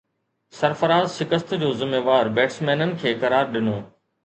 سرفراز شڪست جو ذميوار بيٽسمينن کي قرار ڏنو